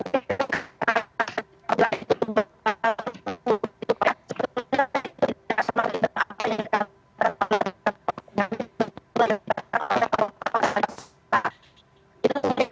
itu bukan siklopati